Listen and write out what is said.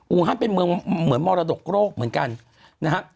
อู่ฮั่นเป็นเหมือนมรดกโลกเหมือนกันนะฮะ